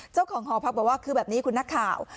เจ้าของหอพักบอกว่าคือแบบนี้คุณนักข่าว